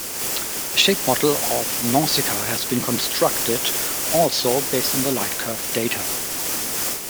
A shape model of Nausikaa has been constructed, also based on the lightcurve data.